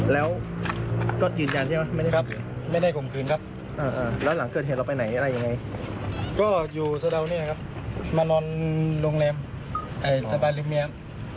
แล้วทำไมต้องออกจากบ้านอ่ะคะตอนนั้น